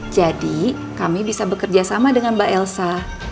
jadi kami bisa bekerja sama dengan mbak elsa